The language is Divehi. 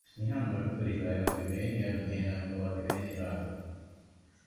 ނިހާން މަޑުކުރީ ލަޔާލުގެ ވޭނީ އަޑުން އޭނައަށް ގޮވާލި ވޭނީ ރާގުން